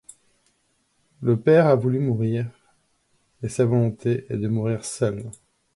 Le père a voulu mourir, et sa volonté est de mourir seul.